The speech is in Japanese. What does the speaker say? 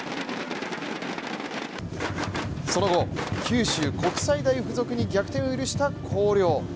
その後、九州国際大付属に逆転を許した広陵。